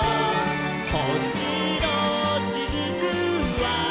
「ほしのしずくは」